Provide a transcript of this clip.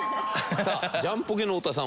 さあジャンポケの太田さん